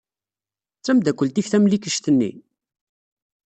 D tameddakelt-ik tamlikect-nni?